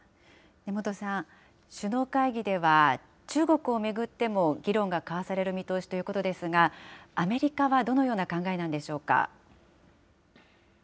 根本さん、首脳会議では、中国を巡っても議論が交わされる見通しということですが、アメリカはどのような考えなんでしょうか。